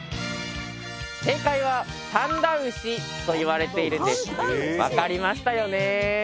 正解はパンダ牛といわれているんです分かりましたよね？